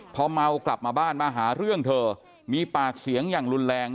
พอเมากลับมาบ้านมาหาเรื่องเธอมีปากเสียงอย่างรุนแรง